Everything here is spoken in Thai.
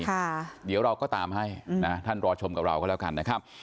ค่ะเดี๋ยวเราก็ตามให้นะท่านรอชมกับเราก็แล้วกันนะครับ